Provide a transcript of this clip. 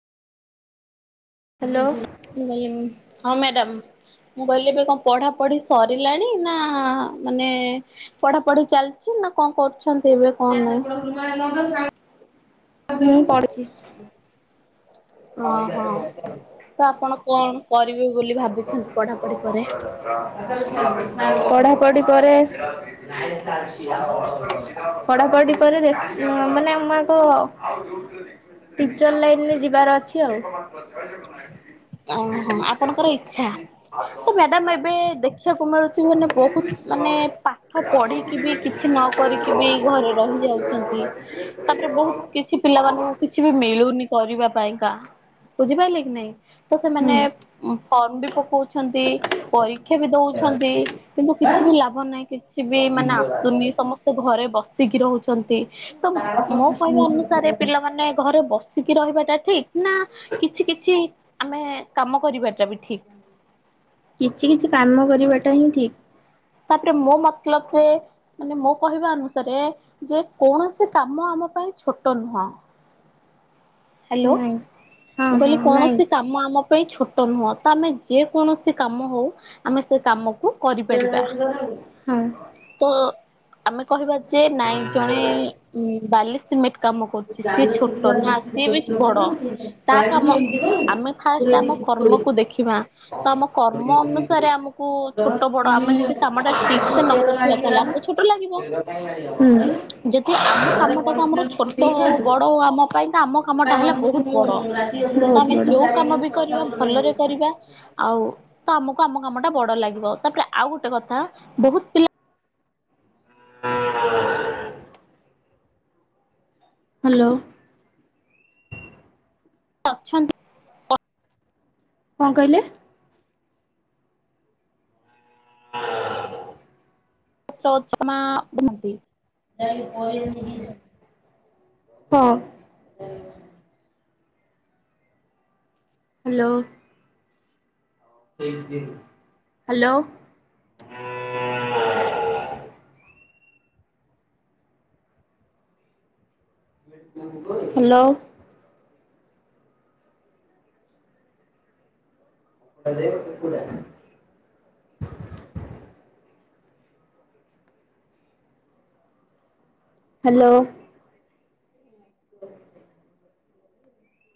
Hello ମୁ ହଁ madam ମୁଁ କହିଲି ଏବେ କଣ ପଢା ପଢି ସରିଲାଣି ନା ମାନେ ପଢା ପଢି ଚାଲିଛି ନା କଣ କରୁଛନ୍ତି ଏବେ କଣ ନାହିଁ [unintelligible] ପଡିଛି ଓ ହଁ ତ ଆପଣ କଣ କରିବେ ବୋଲି ଭାବିଛନ୍ତି ପଢାପଢି ପରେ ପଢ଼ାପଢ଼ି ପରେ ପଢାପଢି ପରେଖ ମାନେ ଆମ ଆଗ ହ ଟିଚର୍ ଲାଇନ୍ରେ ଯିବାର ଅଛି ଆଉ ଓହୋ ଆପଣଙ୍କର ଇଚଛା ତ ମ୍ୟାଡ଼ାମ ଏବେଦେଖ ଖିବାକୁ ମିଳୁଛି ମାନେ ବହୁତ ମାନେ ପାଠ ପଢ଼ିକି ବି କିଛି ନ କରରିକି ବି ଘରେ ରହିଯାଉଛନ୍ତି ତାପରେ ବହୁତ କିଛି ପିଲାମାନଙ୍କୁ କିଛି କିଛି ବି ମିଳୁନି କରିବା ପାଇଁ କା ବୁଝିପାରିଲେ କି ନାଇଁ ତ ସେମାନେ ହୁଁ। ଫର୍ମ ବି ପକଉଛନ୍ତି ପରୀକ୍ଷା ବି ଦଉଛନ୍ତି କିନ୍ତୁ କିଛି ବି ଲାଭ ନାହିଁ କିଛି ବି ମାନେ ଆସୁନି ସମସ୍ତେ ଘରେ ବସିକି ରହୁଛନ୍ତି ତ ମୋ କହିବା ଅନୁସାରେ କିଛି ପିଲାମାନେ ଘରେ ବସ ସିଖି ରହିବାଟା ଠିକ ନା କିଛି କିଛି ଆମେ କାମ କରିବା କିଛି କିଛି କାମ କରିବା ଟା ହିଁ ଠିକ ତାପରେ ମୋ ମତଲବ ଯେରେ ମାନେ ମୋ କହିବା ଅନୁସାରେ ଯେ କୌଣସି କାମ ଆମ ପାଇଁ ଛୋଟ ନୁହଁ ହ୍ୟାଲୋ ନାଇଁ ହଁ ମୁଁ ହଁ କହିଲି ନାଇଁ କୌଣସି କାମ ଆମ ଆମ ପାଇଁ ଛୋଟ ନୁହଁ ତ ଆମେ ଯେ କୌଣସି କାମ ହଉ ଆମେ ସେ କାମକୁ କରିପାରିବା ହ ହଁ ତ ଆମେ କହିବା ଯେ ନାଇଁ ଜଣେ ବାଲି ସିମେଣ୍ଟ କାମ କରୁଛି ସିଏ ଛୋଟ ନା ସିଏ ବି ବଡ଼ ତା କାମ ଆମେ ଫାଷ୍ଟ ଆମ କର୍ମକୁ ଦେଖିବା ତ ଆମ କର୍ମ ଅନୁସାରେ ଆମକୁ ଛୋଟ ବଡ ଆମେ ଯଦି କାମ ଆମା ଠିକ ସେ ନ କରୁଥିବା ତାହଲେ ଆମ [unintelligible] ହୁ ଯଦି ଆମ କାମଟାକୁ ଆମର ଛୋଟ ହଉ ବଡ ହଉ ଆମ ପାଇଁ ତ ଆମ କାମଟା ହେଲେ ବହୁତ ବଡ ତ ଆମେ ଯୋଉ କାମ ବି କରିବା ଭଲରେ କରିବା ଆଉ ତ ଆମକୁ ଆମ କାମ ଟା ବଡ ଲାଗିବ ତାପରେ ଆଉ ଗୋଟେ କଥା ବହୁତ ପିଲା ହୁଁ ହ୍ୟାଲୋ ଅଛନ୍ତି କଣ କହିଲେ? ତରଜମା ହୁଅନ୍ତି। ହଁ। ହ୍ୟାଲୋ। ହ୍ୟାଲୋ। ହ୍ୟାଲୋ। [unintelligible] ହ୍ୟାଲୋ।